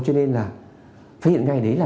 cho nên là phát hiện ngay đấy là